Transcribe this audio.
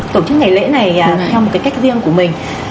tổ chức ngày lễ này theo một cái cách riêng của mình